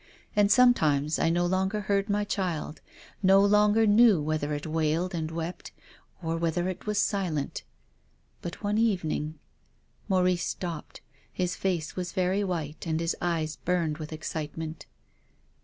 And sometimes I no longer heard my child, no longer knew whether it wailed and wept or whether it was silent. But one evening —" Maurice stopped. His face was very white and his eyes burned with excitement.